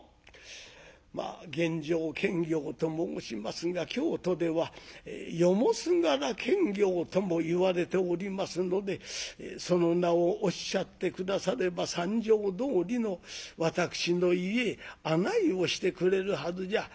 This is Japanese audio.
「まあ玄城検校と申しますが京都では『夜もすがら検校』ともいわれておりますのでその名をおっしゃって下されば三条通の私の家へ案内をしてくれるはずじゃ」。